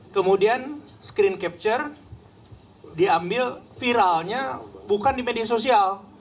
kemudian screen capture diambil viralnya bukan di media sosial